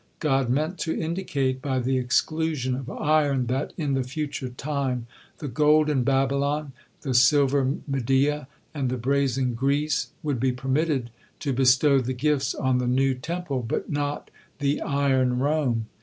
God meant to indicate by the exclusion of iron that "in the future time," "the golden Babylon, the silver Media, and the brazen Greece," would be permitted to bestow the gifts on the new Temple, but not "the iron Rome."